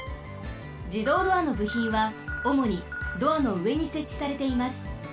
じどうドアのぶひんはおもにドアのうえにせっちされています。